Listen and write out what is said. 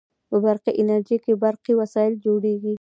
په برقي انجنیری کې برقي وسایل جوړیږي.